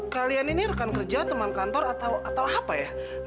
kalian ini rekan kerja teman kantor atau apa ya